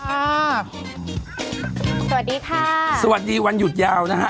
สวัสดีค่ะสวัสดีวันหยุดยาวนะฮะ